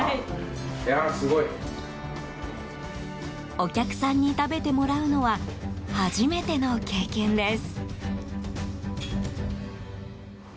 お客さんに食べてもらうのは初めての経験です。